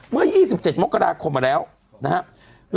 เมื่อ๒๗มกราคมมาแล้วนะครับ